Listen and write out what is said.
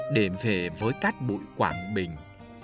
để về với các bụi quảng bình